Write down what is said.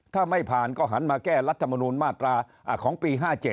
ถ้าไม่ผ่านก็หันมาแก้รัฐมนูลมาตราของปี๕๗